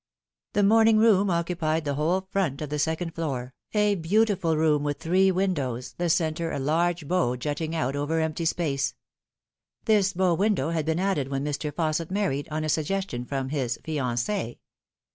The morning room occupied the whole front of the second floor, a beautiful room with three windows, the centre a large bow juttingoufrover empty space. This bow window had been added when Mr. Fausset married, on a suggestion from his fiancee.